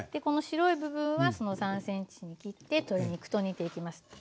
この白い部分は３ｃｍに切って鶏肉と煮ていきます。